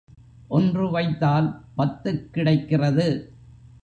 ஒன்று வைத்தால் பத்துக் கிடைக்கிறது.